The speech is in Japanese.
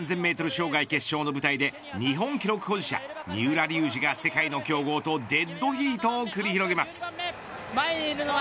障害決勝の舞台で日本記録保持者、三浦龍司が世界の強豪とデッドヒートを繰り広げます。